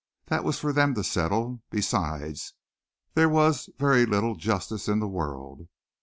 That was for them to settle. Besides, there was very little justice in the world.